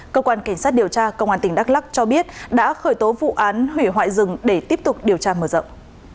cơ quan cảnh sát điều tra công an tỉnh đắk lắc cho biết đã khởi tố vụ án hủy hoại rừng để tiếp tục điều tra mở rộng